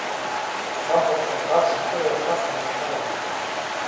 Бахәаԥш, абӷацамкыра иахаԥыруа ашьауардын.